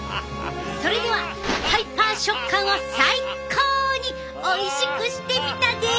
それではハイパー食感を最高においしくしてみたで！